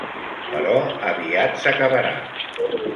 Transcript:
Però aviat s'acabarà.